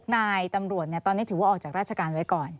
นายตำรวจตอนนี้ถือว่าออกจากราชการไว้ก่อน